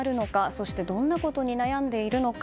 そしてどんなことに悩んでいるのか